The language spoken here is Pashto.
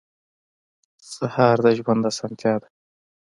سهار د ژوند اسانتیا ده.